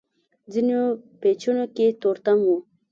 ځينو پېچونو کې تورتم و.